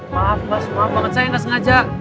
maaf mas maaf banget saya gak sengaja